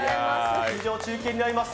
以上、中継になります。